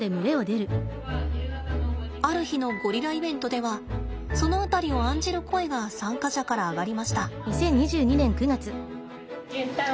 ある日のゴリライベントではその辺りを案じる声が参加者から上がりました。